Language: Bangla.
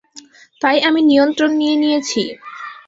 তাই আমি নিয়ন্ত্রণ নিয়ে নিয়েছি।